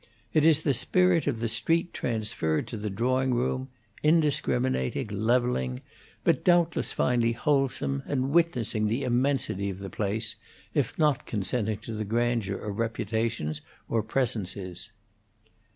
It is the spirit of the street transferred to the drawing room; indiscriminating, levelling, but doubtless finally wholesome, and witnessing the immensity of the place, if not consenting to the grandeur of reputations or presences.